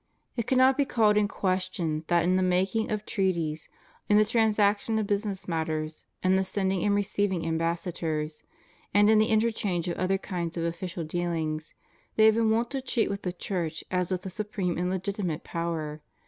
It cannot be called in question that in the making of treaties, in the transaction of business matters, in the sending and receiving ambassadors, and in the inter change of other kinds of official dealings, they have been wont to treat with the Church as with a supreme and legitimate power.